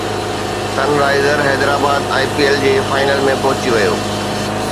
سن Risers Hyderabad I P L جي final ۾ پهچي ويو